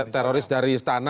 teroris dari istana